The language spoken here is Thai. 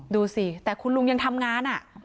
ดูสิแต่คุณลุงยังทำงาน